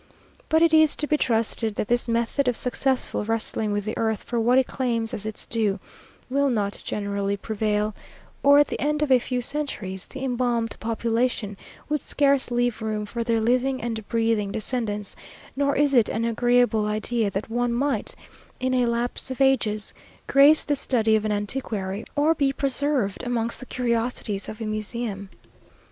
But it is to be trusted that this method of successfully wrestling with the earth for what it claims as its due, will not generally prevail; or, at the end of a few centuries, the embalmed population would scarce leave room for their living and breathing descendants: nor is it an agreeable idea that one might, in a lapse of ages, grace the study of an antiquary, or be preserved amongst the curiosities of a museum.